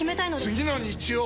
次の日曜！